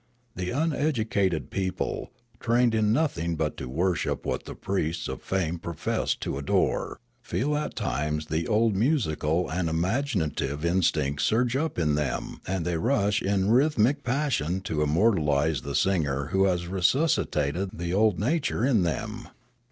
The uneducated people, trained in nothing but to worship what the priests of fame profess to adore, feel at times the old musical and imaginative instincts surge up in them, and they rush in rhythmic passion to immortalise the singer who has resuscitated the old nat ure in them.